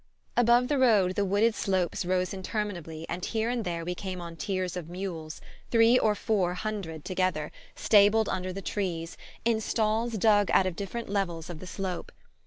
Above the road the wooded slopes rose interminably and here and there we came on tiers of mules, three or four hundred together, stabled under the trees, in stalls dug out of different levels of the slope.